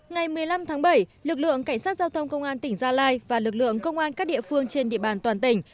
ngày một mươi năm tháng bảy lực lượng cảnh sát giao thông công an tỉnh gia lai và lực lượng công an các địa phương trên địa bàn toàn tỉnh